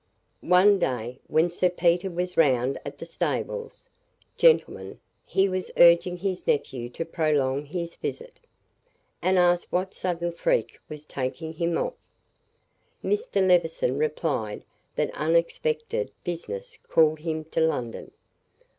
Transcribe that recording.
"One day, when Sir Peter was round at the stables, gentlemen, he was urging his nephew to prolong his visit, and asked what sudden freak was taking him off. Mr. Levison replied that unexpected business called him to London.